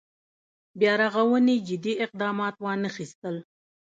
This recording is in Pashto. بیا رغونې جدي اقدامات وانخېستل.